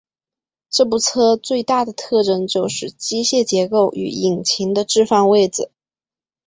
这部车最大的特征就是机械结构与引擎的置放位子。